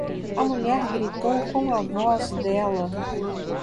A mulher gritou com a voz dela.